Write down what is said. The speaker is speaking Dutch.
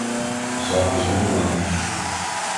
De zaak is heel belangrijk.